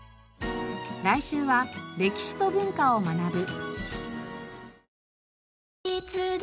来週は歴史と文化を学ぶ。